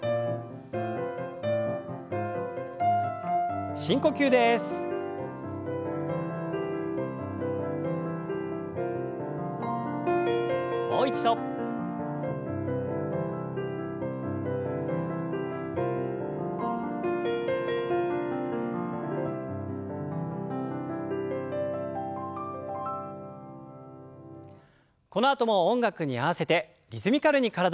このあとも音楽に合わせてリズミカルに体を動かしていきましょう。